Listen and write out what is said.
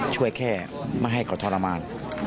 ช่วยแค่ไม่ให้เขาทรมาน